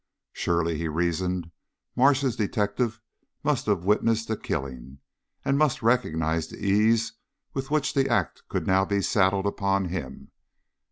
Surely, he reasoned, Marsh's detective must have witnessed the killing, and must recognize the ease with which the act could now be saddled upon him.